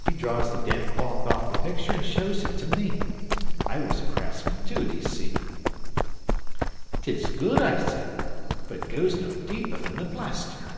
He draws the damp cloth off the picture, an' shows it to me. I was a craftsman too, d'ye see?' '"Tis good," I said, "but it goes no deeper than the plaster."